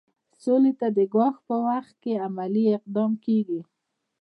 سولې ته د ګواښ په وخت کې عملي اقدام کیږي.